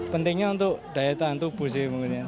pentingnya untuk daya tahan tubuh sih maksudnya